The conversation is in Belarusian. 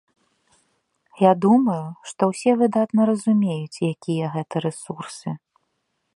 Я думаю, што ўсе выдатна разумеюць, якія гэта рэсурсы.